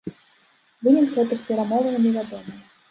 Вынік гэтых перамоваў невядомы.